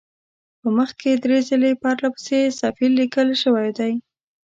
په مخ کې درې ځله پرله پسې صفیل لیکل شوی دی.